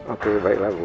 oke baiklah bu